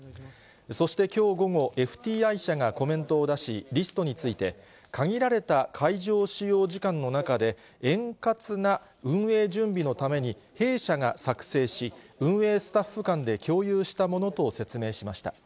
そしてきょう午後、ＦＴＩ社がコメントを出し、リストについて、限られる会場使用時間の中で、円滑な運営準備のために、弊社が作成し、運営スタッフ間で共有したものと説明しました。